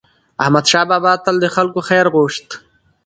احمدشاه بابا به تل د خلکو خیر غوښت.